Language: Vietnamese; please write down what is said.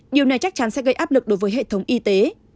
điều này chắc chắn sẽ gây áp lực đối với hệ thống y tế